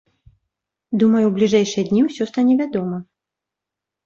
Думаю, у бліжэйшыя дні ўсё стане вядома.